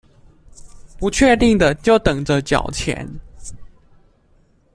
不確定的就等著繳錢